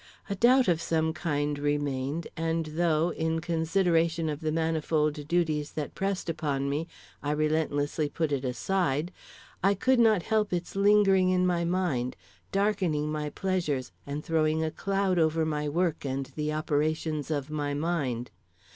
A doubt of some kind remained, and though, in consideration of the manifold duties that pressed upon me, I relentlessly put it aside, I could not help its lingering in my mind, darkening my pleasures, and throwing a cloud over my work and the operations of my mind.